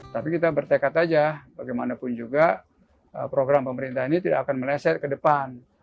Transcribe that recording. tapi kita bertekad saja bagaimanapun juga program pemerintah ini tidak akan meleset ke depan